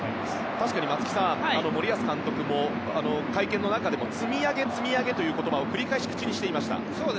確かに森保監督も会見の中で積み上げ、積み上げという言葉を繰り返し口にしていました。